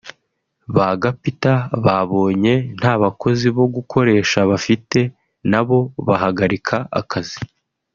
ba gapita babonye nta bakozi bo gukoresha bafite na bo bahagarika akazi